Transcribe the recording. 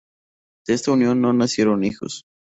De esta unión no nacieron hijos.